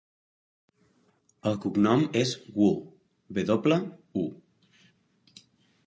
El cognom és Wu: ve doble, u.